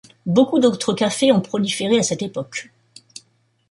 Beaucoup d'autres cafés ont proliféré à cette époque.